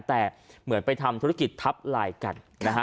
แต่เหมือนไปทำธุรกิจทับลายกัน